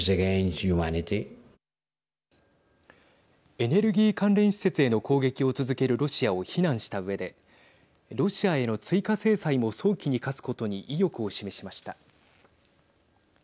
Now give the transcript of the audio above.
エネルギー関連施設への攻撃を続けるロシアを非難したうえでロシアへの追加制裁も早期に科すことに意欲を示しました。